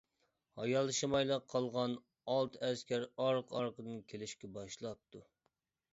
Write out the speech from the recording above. ھايالشىمايلا قالغان ئالتە ئەسكەر ئارقا-ئارقىدىن كېلىشكە باشلاپتۇ.